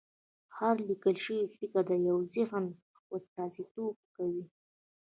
هر لیکل شوی فکر د یو ذهن استازیتوب کوي.